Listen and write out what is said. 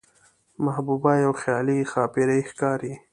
محبوبه يوه خيالي ښاپېرۍ ښکاري،